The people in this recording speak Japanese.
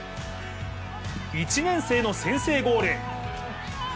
１年生の先制ゴール。